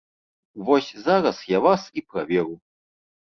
Вось зараз я вас і праверу.